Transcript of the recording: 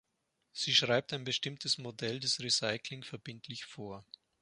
Sie schreibt ein bestimmtes Modell des Recycling verbindlich vor.